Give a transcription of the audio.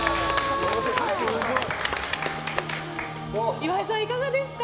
岩井さん、いかがですか？